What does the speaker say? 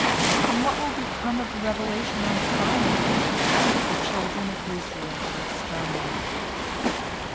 And what will become of the revelation on Sinai, if the children of Israel are exterminated?"